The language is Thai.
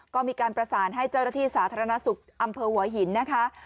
ก็มีการประสานให้เจ้าหน้าที่สาธารณสุขอำเภอหัวหินนะคะ